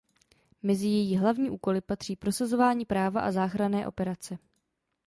Mezi její hlavní úkoly patří prosazování práva a záchranné operace.